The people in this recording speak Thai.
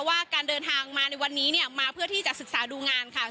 ว่าการเดินทางมาในวันนี้เนี่ยมาเพื่อที่จะศึกษาดูงานค่ะ